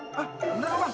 hah bener bang